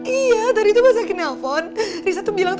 iya tadi pas aku telepon risa bilang